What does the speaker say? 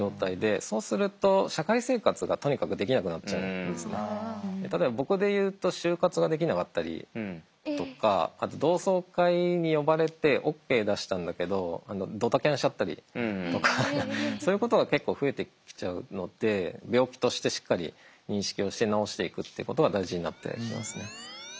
そうすると例えば僕で言うと就活ができなかったりとかあと同窓会に呼ばれてＯＫ出したんだけどドタキャンしちゃったりとかそういうことが結構増えてきちゃうので病気としてしっかり認識をして治していくっていうことが大事になってきますね。